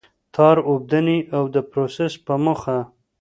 تار اوبدنې او د پروسس په موخه.